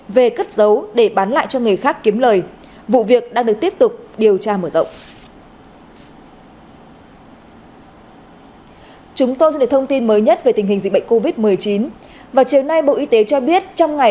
về cất giấu để bán lại cho người khác kiếm lời vụ việc đang được tiếp tục điều tra mở rộng